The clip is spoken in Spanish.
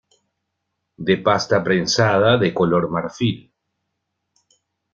De pasta prensada de color marfil.